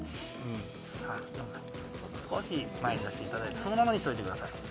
少し前に出していただいてそのままにしておいてください。